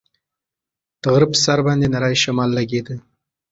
د غره په سر باندې نری شمال لګېده.